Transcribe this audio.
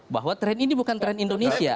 bahwa tren ini bukan tren indonesia